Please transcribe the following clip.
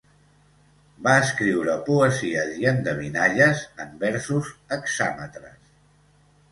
Va escriure poesies i endevinalles en versos hexàmetres.